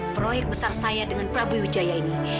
proyek besar saya dengan prabu wijaya ini